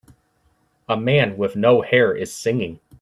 A man with no hair is singing.